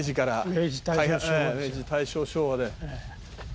明治大正昭和ですよ。